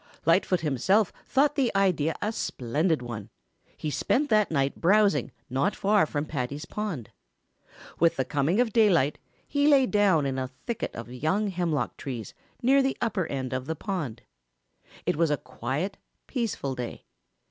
Lightfoot himself thought the idea a splendid one. He spent that night browsing not far from Paddy's pond. With the coming of daylight he lay down in a thicket of young hemlock trees near the upper end of the pond. It was a quiet, peaceful day.